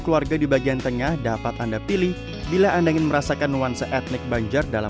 keluarga di bagian tengah dapat anda pilih bila anda ingin merasakan nuansa etnik banjar dalam